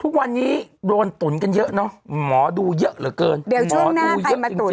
ทุกวันนี้โดนตุ๋นกันเยอะเนอะหมอดูเยอะเหลือเกินเดี๋ยวช่วงหน้าใครมาตุ๋น